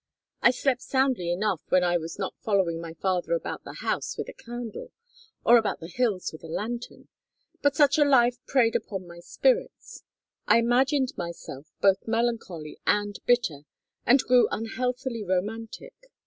I slept soundly enough when I was not following my father about the house with a candle, or about the hills with a lantern. But such a life preyed upon my spirits. I imagined myself both melancholy and bitter and grew unhealthily romantic.